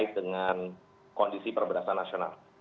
terkait dengan kondisi perbedasan nasional